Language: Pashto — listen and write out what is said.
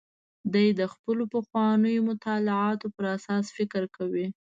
دی د خپلو پخوانیو مطالعاتو پر اساس فکر کوي.